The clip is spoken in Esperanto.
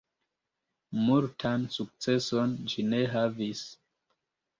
Multan sukceson ĝi ne havis.